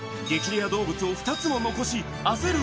レア動物を２つも残し焦る